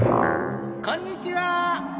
こんにちは。